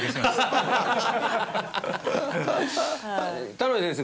田邉先生